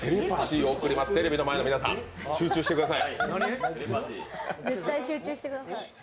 テレビの前の皆さん、集中してください！